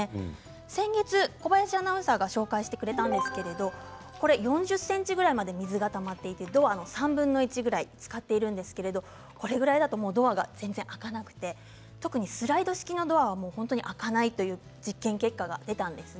先月、小林アナウンサーが紹介してくれたんですが４０ｃｍぐらいまで水がたまっていてドアの３分の１ぐらいつかっているんですけどこれぐらいだともうドアが全然、開かなくて特にスライド式のドアは開かないという実験結果が出たんです。